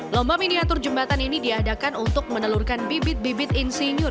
lomba miniatur jembatan ini diadakan untuk menelurkan bibit bibit insinyur